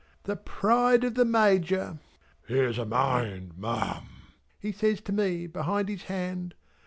The pride of the Major! ("Here's a mind Ma'am!" he says to me behind his hand.)